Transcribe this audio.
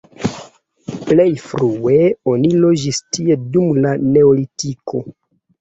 Plej frue oni loĝis tie dum la neolitiko.